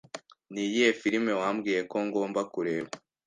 Niyihe firime wambwiye ko ngomba kureba?